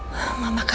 mama kaget sekali